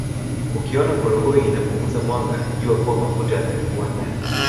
Ukiona koroboi inapunguza mwanga jua kuwa mafuta yamepungua ndani